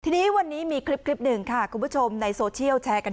ทีนี้วันนี้มีคลิปหนึ่งค่ะคุณผู้ชมในโซเชียลแชร์กัน